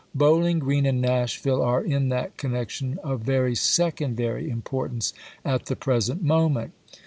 Bowling Grreen and Nashville are in that connection of very secondary importance at the present moment.